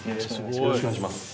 よろしくお願いします。